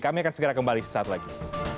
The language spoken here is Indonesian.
kami akan segera kembali sesaat lagi